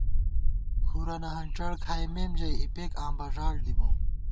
کھُرَنہ ہنڄڑکھائیمېم ژئی اِپېک آں بݫاڑ دِبوم